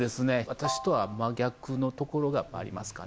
私とは真逆のところがありますかね